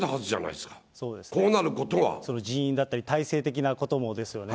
その人員だったり、体制的なこともですよね。